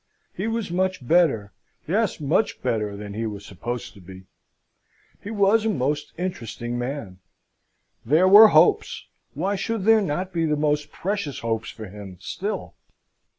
He was much better yes, much better than he was supposed to be. He was a most interesting man. There were hopes, why should there not be the most precious hopes for him still?